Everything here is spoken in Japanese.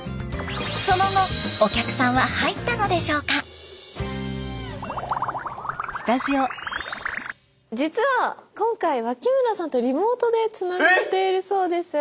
その後実は今回脇村さんとリモートでつながっているそうです。